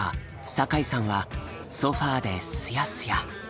酒井さんはソファーでスヤスヤ。